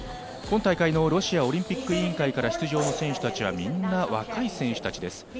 今大会のロシアオリンピック委員会から出場の選手たちはみんな若い選手たちです。